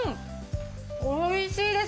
おいしいです。